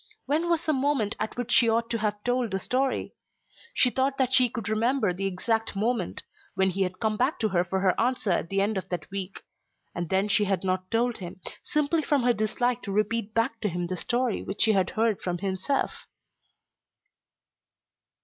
When was the moment at which she ought to have told the story? She thought that she could remember the exact moment; when he had come back to her for her answer at the end of that week. And then she had not told him, simply from her dislike to repeat back to him the story which she had heard from himself!